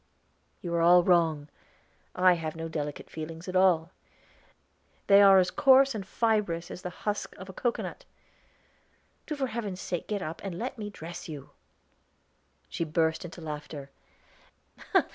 "You are all wrong. I have no delicate feelings at all; they are as coarse and fibrous as the husk of a cocoanut. Do for heaven's sake get up and let me dress you." She burst into laughter.